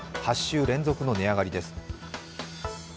８週連続の値上がりです。